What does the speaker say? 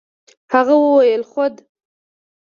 هغه وويل خود.